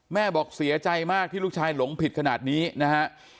บอกเสียใจมากที่ลูกชายหลงผิดขนาดนี้นะฮะ